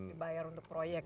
dibayar untuk proyek